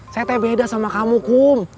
saya teh beda sama kamu kum